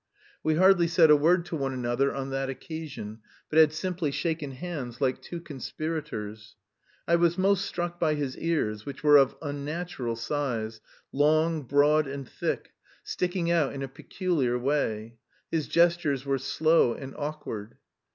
We hardly said a word to one another on that occasion, but had simply shaken hands like two conspirators. I was most struck by his ears, which were of unnatural size, long, broad, and thick, sticking out in a peculiar way. His gestures were slow and awkward.